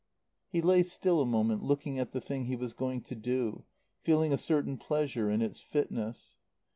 He lay still a moment, looking at the thing he was going to do, feeling a certain pleasure in its fitness.